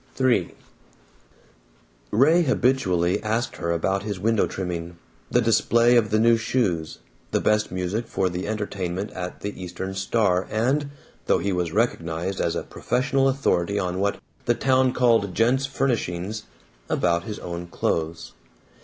III Ray habitually asked her about his window trimming, the display of the new shoes, the best music for the entertainment at the Eastern Star, and (though he was recognized as a professional authority on what the town called "gents' furnishings") about his own clothes.